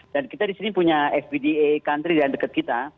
dan kita di sini punya fpda country yang dekat kita